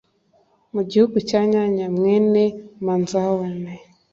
mu gihugu cya nyanya mwene manzawane